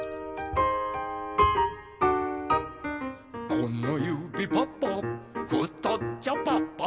「このゆびパパふとっちょパパ」